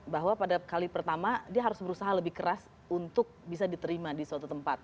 bahwa pada kali pertama dia harus berusaha lebih keras untuk bisa diterima di suatu tempat